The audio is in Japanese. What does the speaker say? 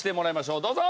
どうぞ！